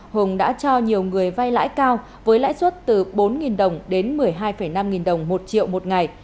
hùng đã cho nhiều người vay lãi cao với lãi suất từ bốn đồng đến một mươi hai năm nghìn đồng một triệu một ngày